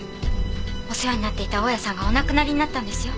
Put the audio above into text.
お世話になっていた大家さんがお亡くなりになったんですよ。